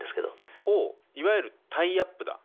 いわゆるタイアップだ。